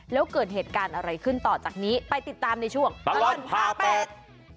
แล้วเกิดเหตุการณ์อะไรขึ้นต่อจากนี้ไปติดตามในช่วงตลอดผ่าแปลก